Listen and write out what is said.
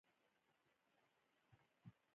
ه شاوخوا کې اټکل شوی دی